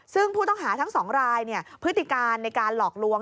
ซึ่งผู้ต้องหาทั้ง๒รายพฤติการในการหลอกลวง